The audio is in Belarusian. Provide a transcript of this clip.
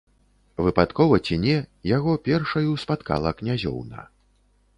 Выпадкова ці не, яго першаю спаткала князёўна.